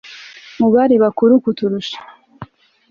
Mu bari bakuru kuturusha